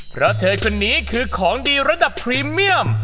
เพราะเธอคนนี้คือของดีระดับพรีเมียม